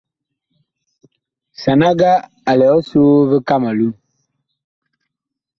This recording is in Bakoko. Sanaga a lɛ ɔsoo vi Kamelun.